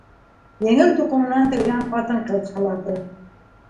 Еңел туҡыманан тегелгән ҡатын-ҡыҙ халаты.